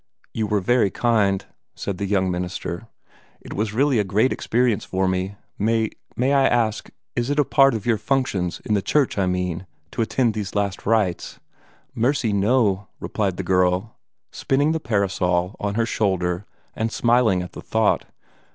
"You were very kind," said the young minister. "It was really a great experience for me. May may I ask, is it a part of your functions, in the church, I mean, to attend these last rites?" "Mercy, no!" replied the girl, spinning the parasol on her shoulder and smiling at the thought.